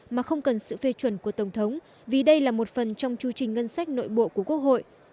mà không cần sự phê chuẩn của tổng thống vì đây là một phần trong chu trình ngân sách nội bộ của quốc hội